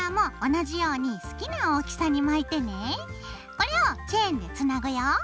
これをチェーンでつなぐよ。